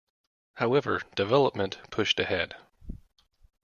However, development pushed ahead.